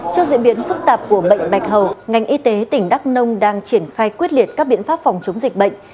trước diễn biến phức tạp của bệnh bạch hầu ngành y tế tỉnh đắk nông đang triển khai quyết liệt các biện pháp phòng chống dịch bệnh